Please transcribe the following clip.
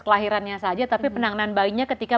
kelahirannya saja tapi penanganan bayinya ketika